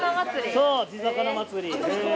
そう地魚祭り。